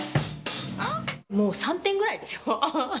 もう、３点ぐらいですよ。